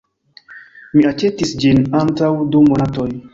Mi aĉetis ĝin antaŭ du monatoj.